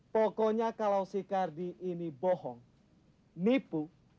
pokoknya kalau si kardi ini bohong nipu